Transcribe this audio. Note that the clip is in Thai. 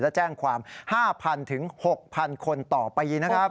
และแจ้งความ๕๐๐๖๐๐คนต่อปีนะครับ